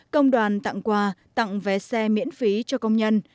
công đoàn tặng quà tặng vé xe miễn phí cho công nhân